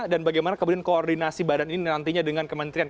dan bagaimana kemudian koordinasi badan ini nantinya dengan kementerian